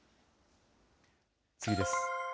次です。